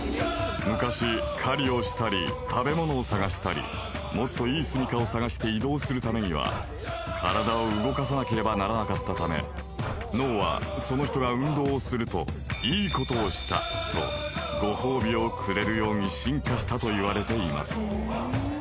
昔狩りをしたり食べ物を探したりもっといいすみかを探して移動するためには体を動かさなければならなかったため脳はその人が運動をするといいことをしたとご褒美をくれるように進化したといわれています。